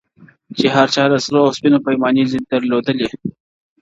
چي هر چا د سرو او سپینو پیمانې دي درلودلي -